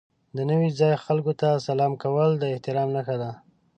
د نوي ځای خلکو ته سلام کول د احترام نښه ده.